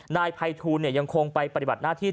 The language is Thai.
นายภัยทูลยังคงไปปฏิบัติหน้าที่